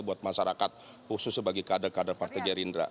buat masyarakat khusus sebagai kader kader partai gerindra